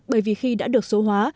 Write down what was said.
bởi vì khi đã được số hóa